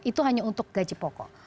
itu hanya untuk gaji pokok